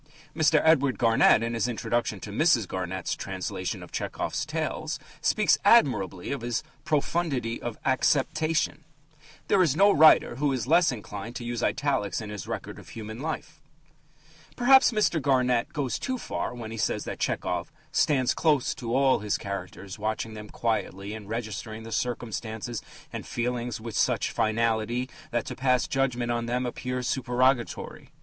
Mr. Edward Garnett, in his introduction to Mrs. Garnett's translation of Tchehov's tales, speaks admirably of his "profundity of acceptation." There is no writer who is less inclined to use italics in his record of human life. Perhaps Mr. Garnett goes too far when he says that Tchehov "stands close to all his characters, watching them quietly and registering their circumstances and feelings with such finality that to pass judgment on them appears supererogatory."